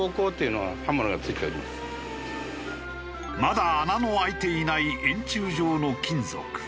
まだ穴のあいていない円柱状の金属。